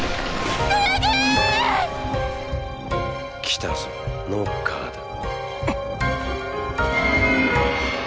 ・来たぞ「ノッカー」だ。